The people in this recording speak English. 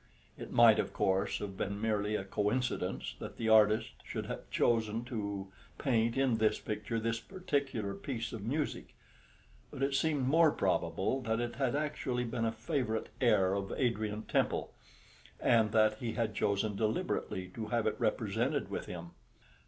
It might, of course, have been merely a coincidence that the artist should have chosen to paint in this picture this particular piece of music; but it seemed more probable that it had actually been a favourite air of Adrian Temple, and that he had chosen deliberately to have it represented with him.